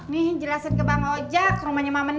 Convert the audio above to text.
nih jelasin ke bang ojak rumahnya mak meni